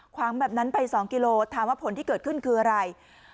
งแบบนั้นไป๒กิโลถามว่าผลที่เกิดขึ้นคืออะไร